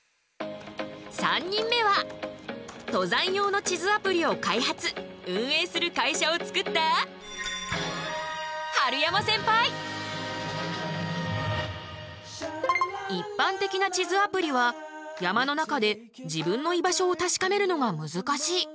３人目は登山用の地図アプリを開発・運営する会社を作った一般的な地図アプリは山の中で自分の居場所を確かめるのが難しい。